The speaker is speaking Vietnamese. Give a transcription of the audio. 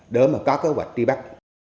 để mà có kế hoạch tri bắt